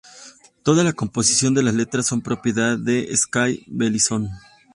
Toda la composición de las letras son propiedad de Skay Beilinson.